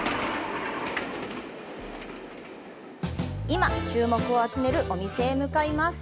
今、注目を集めるお店へ向かいます。